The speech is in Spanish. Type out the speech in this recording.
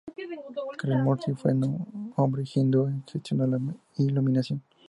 Krishnamurti, fue un hombre hindú que cuestionó la iluminación.